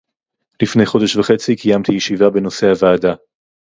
לפני חודש וחצי קיימתי ישיבה בנושא הוועדה